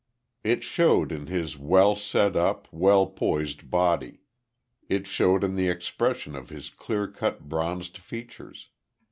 It showed in his well set up, well poised body. It showed in the expression of his clear cut bronzed features.